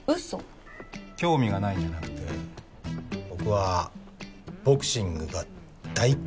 興味がないんじゃなくて僕はボクシングが大っ嫌いなの。